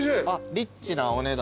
リッチなお値段。